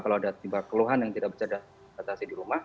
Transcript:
kalau ada tiba tiba keluhan yang tidak bisa diberi